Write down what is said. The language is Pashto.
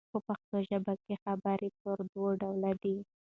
په پښتو ژبه کښي خبر پر دوه ډوله دئ.